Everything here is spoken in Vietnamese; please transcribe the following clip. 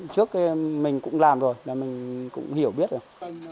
trước mình cũng làm rồi là mình cũng hiểu biết rồi